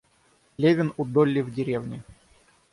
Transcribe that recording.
Левин у Долли в деревне.